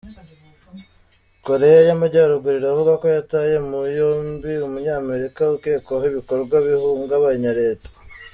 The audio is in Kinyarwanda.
Koreya y'Amajyaruguru iravuga ko yataye mui yombi Umunyamerika ukekwaho "ibikorwa bihungabanya" leta.